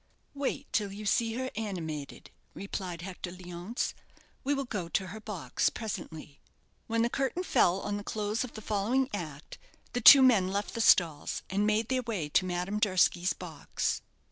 "Wait till you see her animated," replied Hector Leonce. "We will go to her box presently." When the curtain fell on the close of the following act the two men left the stalls, and made their way to Madame Durski's box.